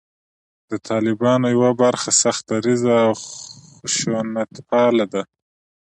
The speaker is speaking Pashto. د طالبانو یوه برخه سخت دریځه او خشونتپاله ده